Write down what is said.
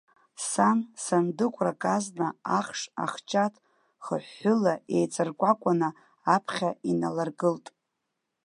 Сан, сандыкәрак азна ахш ахҷаҭ хыҳәҳәыла еиҵаркәакәаны аԥхьа иналыргылт.